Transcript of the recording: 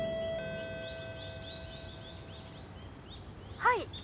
「はい。